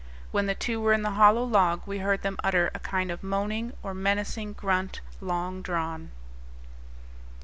When the two were in the hollow log we heard them utter a kind of moaning, or menacing, grunt, long drawn.